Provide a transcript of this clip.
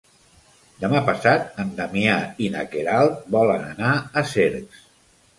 Demà passat en Damià i na Queralt volen anar a Cercs.